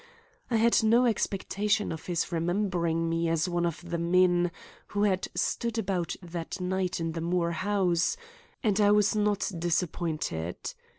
I had no expectation of his remembering me as one of the men who had stood about that night in the Moore house, and I was not disappointed.